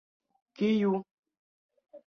Kiu?